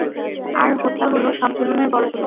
আর হত্যা হলো, সব জুলুমের বড় জুলুম।